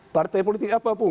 partai politik apapun